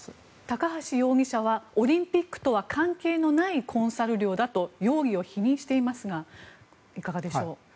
高橋容疑者はオリンピックとは関係のないコンサル料だと容疑を否認していますがいかがでしょう。